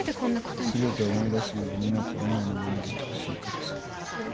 すべてを思い出すまで実那子は今のままでいてほしいからさ。